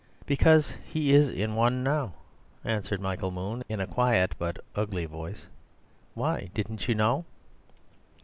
"Because he is in one now," answered Michael Moon, in a quiet but ugly voice. "Why, didn't you know?"